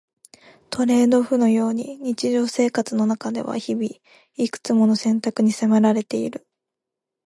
トレードオフのように日常生活の中では日々、いくつもの選択に迫られている。